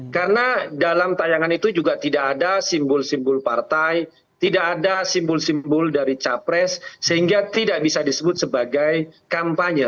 karena dalam tayangan itu juga tidak ada simbol simbol partai tidak ada simbol simbol dari capres sehingga tidak bisa disebut sebagai kampanye